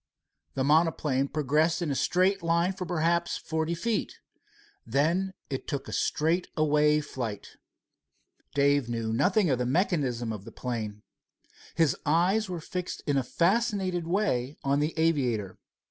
The monoplane progressed in a straight line for perhaps forty feet. Then it took a straightaway flight. Dave knew nothing of the mechanism of the plane. His eyes were fixed in a fascinated way on the aviator.